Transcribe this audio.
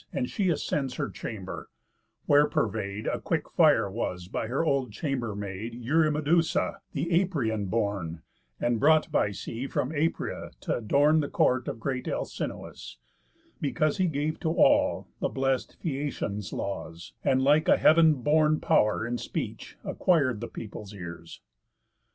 And she ascends her chamber; where purvey'd A quick fire was by her old chamber maid, Eurymedusa, th' Aperæan born, And brought by sea from Apera t' adorn The court of great Alcinous, because He gave to all the blest Phæacians laws, And, like a heav'n born pow'r in speech, acquir'd The people's ears.